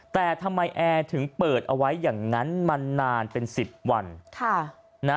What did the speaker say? แต่ทำไมแอร์ถึงเปิดเอาไว้อย่างนั้นมานานเป็น๑๐วัน